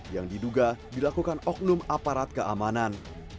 yang diduga dilakukan oknum aparat keamanan